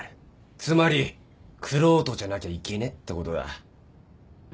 つまり玄人じゃなきゃいけねえってことだ